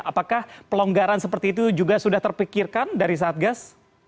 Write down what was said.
apakah pelonggaran seperti itu juga sudah terpikirkan dari satgas